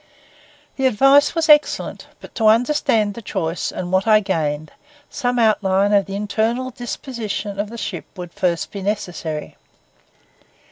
The advice was excellent; but to understand the choice, and what I gained, some outline of the internal disposition of the ship will first be necessary.